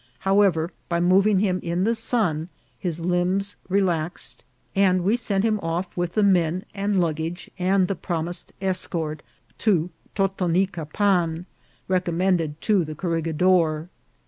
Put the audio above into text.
How ever, by moving him in the sun his limbs relaxed, and we sent him off with the men and luggage, and the promised escort, to Totonicapan, recommended to the corregidor.